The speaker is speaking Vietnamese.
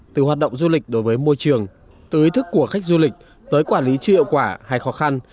từ hoạt động du lịch đối với môi trường từ ý thức của khách du lịch tới quản lý chưa hiệu quả hay khó khăn